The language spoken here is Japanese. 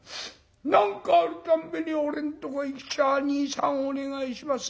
何かあるたんびに俺んとこへ来ちゃ『兄さんお願いします。